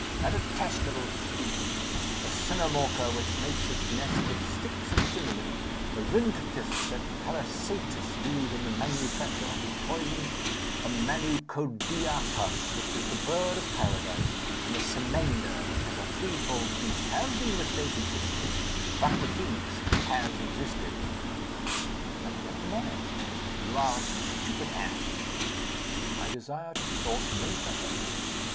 "A detestable speech! The cinnamalker which makes its nest with sticks of cinnamon, the rhintacus that Parysatis used in the manufacture of his poisons, the manucodiatas which is the bird of paradise, and the semenda, which has a threefold beak, have been mistaken for the phoenix; but the phoenix has existed." "I do not deny it." "You are a stupid ass." "I desire to be thought no better."